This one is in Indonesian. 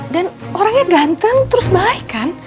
dan orangnya ganteng terus baik kan